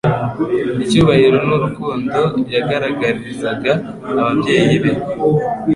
icyubahiro n'urukundo yagaragagarizaga ababyeyi be,